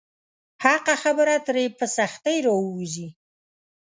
حقه خبره ترې په سختۍ راووځي.